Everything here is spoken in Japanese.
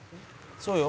「そうよ」